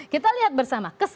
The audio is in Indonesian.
kita lihat bersama